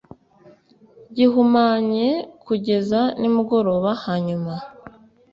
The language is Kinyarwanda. gihumanye kugeza nimugoroba hanyuma